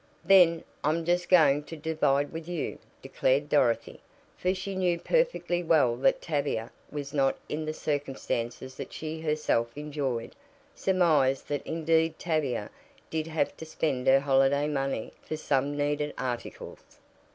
"Then I'm just going to divide with you," declared Dorothy, for she knew perfectly well that Tavia was not in the circumstances that she herself enjoyed, surmised that indeed Tavia did have to spend her holiday money for some needed articles.